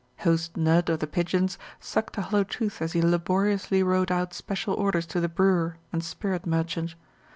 Host Nudd of The Pigeons sucked a hollow tooth as he laboriously wrote out special orders to the brewer and spirit merchant.